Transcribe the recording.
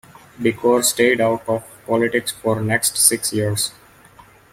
Decore stayed out of politics for the next six years.